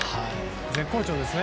絶好調ですね。